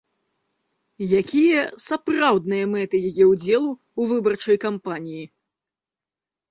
Якія сапраўдныя мэты яе ўдзелу ў выбарчай кампаніі?